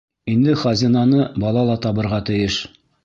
Инде хазинаны бала ла табырға тейеш.